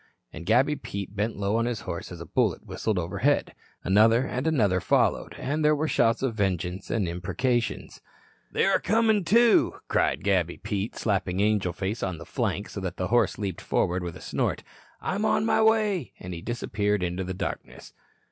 And Gabby Pete bent low on his horse as a bullet whistled overhead. Another and another followed, and there were shouts of vengeance, and imprecations. "They're a comin' to," cried Gabby Pete, slapping Angel Face on the flank, so that the horse leaped forward with a snort. "I'm on my way." And he disappeared into the darkness.